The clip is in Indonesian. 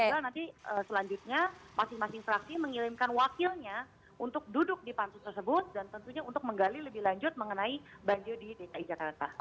tinggal nanti selanjutnya masing masing fraksi mengirimkan wakilnya untuk duduk di pansus tersebut dan tentunya untuk menggali lebih lanjut mengenai banjir di dki jakarta